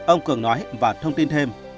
ông cường nói và thông tin thêm